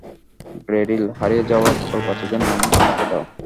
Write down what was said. Daryl, হারিয়ে যাওয়া সকল বাচ্চাদের নাম আমাকে দাও।